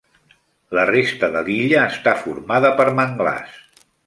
La resta de l'illa està formada per manglars.